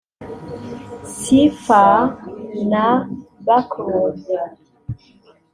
Cypher na Backroom